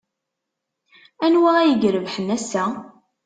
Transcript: Anwa ay irebḥen ass-a?